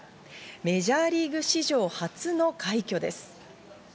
メジャーリーグ史上初の快挙です。